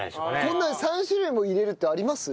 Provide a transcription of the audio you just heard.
こんなに３種類も入れるってあります？